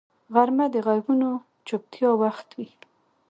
غرمه د غږونو چوپتیا وخت وي